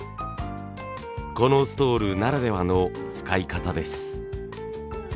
このストールならではの使い方です。